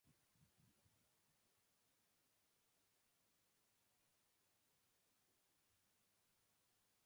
Smyrna was besieged and alliances were entered into with Ephesus and Miletus.